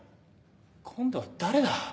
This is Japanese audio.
今度は誰だ？